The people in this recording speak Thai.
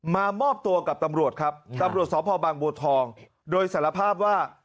มามอบตัวกับตำรวจครับตำรวจสพบางบัวทองโดยสารภาพว่า